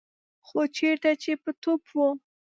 خو چېرته چې به توپ و.